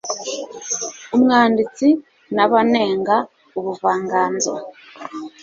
umwanditsi nabanenga ubuvanganzo